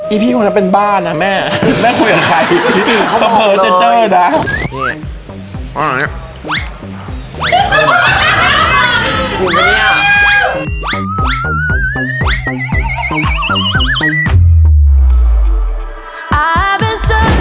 อีพี่คนนั้นเป็นบ้านะแม่แม่คุยกับใครจริงเขาเผลอเจ็ดอ่ะ